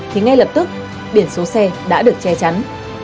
thì ngay lập tức biển số xe đã được che chắn